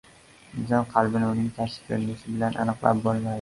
• Inson qalbini uning tashqi ko‘rinishi bilan aniqlab bo‘lmaydi.